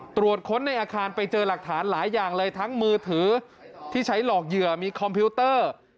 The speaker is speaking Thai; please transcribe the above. ตรวจค้นในอาคารไปเจอหลักฐานหลายอย่างเลยทั้งมือถือที่ใช้หลอกเหยื่อมีคอมพิวเตอร์